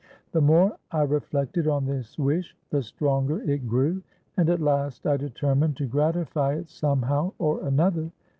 The more I reflected on this wish, the stronger it grew: and at last I determined to gratify it somehow or another.